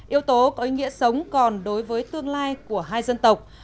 yếu tố có ý nghĩa sống còn đối với tương lai của hai dân tộc